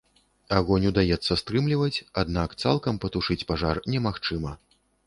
Агонь удаецца стрымліваць, аднак цалкам патушыць пажар немагчыма.